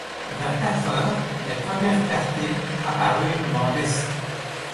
Vers quatre heures, les premières clartés apparurent dans l’est.